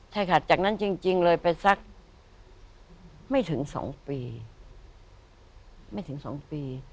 ใช่ค่ะจากนั้นจริงเลยไปสักไม่ถึง๒ปีไม่ถึง๒ปี